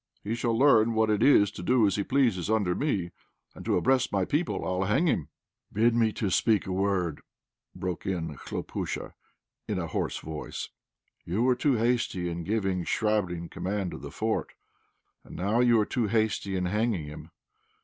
"He shall learn what it is to do as he pleases under me, and to oppress my people. I'll hang him." "Bid me speak a word," broke in Khlopúsha, in a hoarse voice. "You were too hasty in giving Chvabrine command of the fort, and now you are too hasty in hanging him.